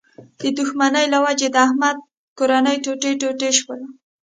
د دوښمنۍ له و جې د احمد کورنۍ ټوټه ټوټه شوله.